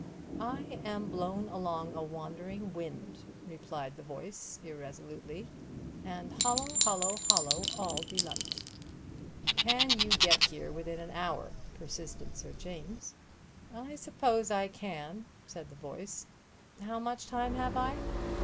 "I am blown along a wandering wind," replied the voice irresolutely, "and hollow, hollow, hollow all delight." "Can you get here within an hour?" persisted Sir James. "I suppose I can," the voice grumbled. "How much time have I?"